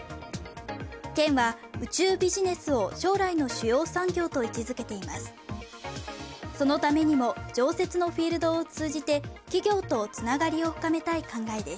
県は宇宙ビジネスを将来の主要産業と位置付けています。